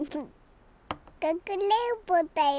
かくれんぼだよ！